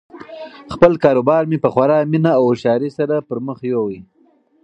خپل کاروبار مې په خورا مینه او هوښیاري سره پرمخ یووړ.